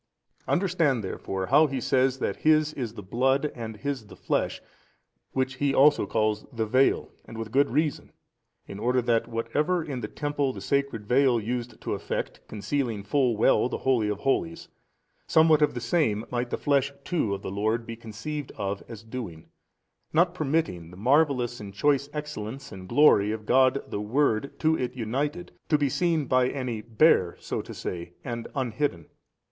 Understand therefore how he says that His is the Blood and His the flesh, which he also calls the veil and with good reason, in order that whatever in the temple the sacred veil used to effect, concealing full well the holy of holies, somewhat of the same might the flesh too of the Lord be conceived of as doing, not permitting the marvellous and choice Excellence and glory of God the Word to it united, to be seen by any bare so to say and unhidden.